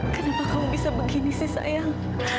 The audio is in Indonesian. kenapa kamu bisa begini sih sayang